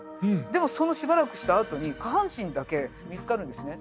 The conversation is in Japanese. でもそのしばらくしたあとに下半身だけ見つかるんですね。